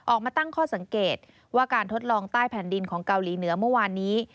ออกมาตั้งข้อสังเกตว่าการทดลองใต้แผ่นดินของเกาหลีเหนือเมื่อวานนี้